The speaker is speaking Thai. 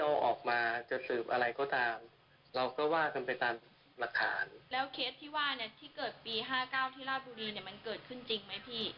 เอาจริงมันก็เกิดขึ้นจริงใช่ไหม